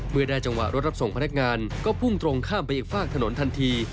เมื่อได้จังหวะรถรับส่งพนักงานก็พุ่งตรงข้ามไปอีกฝากถนนทันที